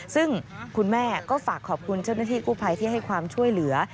ซึ่งคุณแม่ก็ฝากขอบคุณเจ้าหน้าที่กู้ภัยที่ให้ความช่วยเหลือ